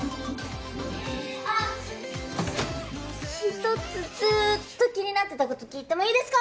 １つずーっと気になってたこと聞いてもいいですか？